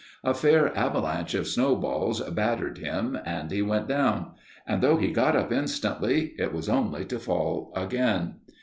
A fair avalanche of snowballs battered him, and he went down; and though he got up instantly, it was only to fall again.